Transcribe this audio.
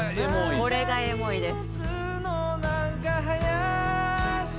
これがエモいです。